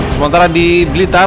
sementara di blitar